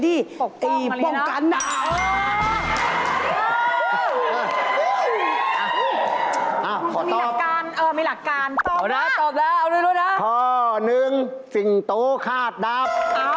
ตอบมาแล้วนะคะข้อหนึ่งสิงโตข้าบดับ